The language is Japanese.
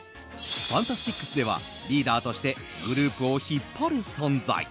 ＦＡＮＴＡＳＴＩＣＳではリーダーとしてグループを引っ張る存在。